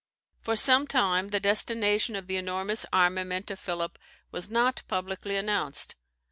For some time the destination of the enormous armament of Philip was not publicly announced.